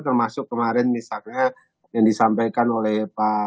termasuk kemarin misalnya yang disampaikan oleh pak